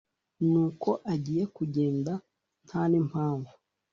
nuko agiye kugenda ntanimpamvu